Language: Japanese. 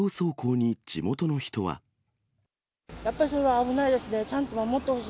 やっぱりそれは危ないですね。